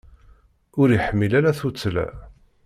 Ur iḥmil ara tuttla.